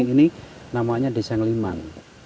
yang terakhir adalah desa ngeliman